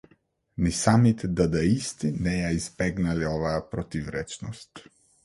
Ни самите дадаисти не ја избегнале оваа противречност.